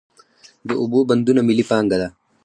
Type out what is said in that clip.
د اوبو بندونه ملي پانګه ده.